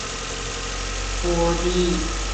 어디 갔었어요?